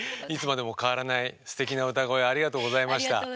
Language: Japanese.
いつまでも変わらないすてきな歌声ありがとうございました。